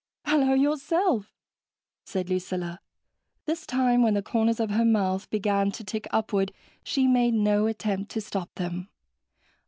"Hello yourself," said Lucilla. This time when the corners of her mouth began to tick upward, she made no attempt to stop them.